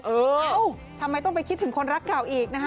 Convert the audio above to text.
เอ้าทำไมต้องไปคิดถึงคนรักเก่าอีกนะฮะ